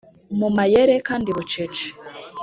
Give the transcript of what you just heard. mu mayere kandi bucece